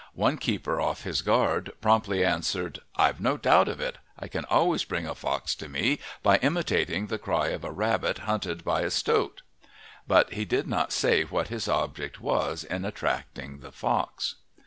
One keeper, off his guard, promptly answered, "I've no doubt of it; I can always bring a fox to me by imitating the cry of a rabbit hunted by a stoat." But he did not say what his object was in attracting the fox.